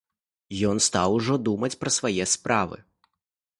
Ён стаў ужо думаць пра свае справы.